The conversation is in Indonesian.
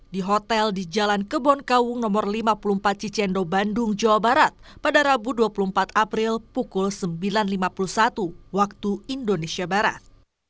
di hotel di jalan kebon kaung no lima puluh empat cicendo bandung jawa barat pada rabu dua puluh empat april pukul sembilan lima puluh satu waktu indonesia barat